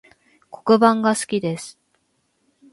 黒板が好きです